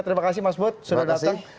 terima kasih mas bot sudah datang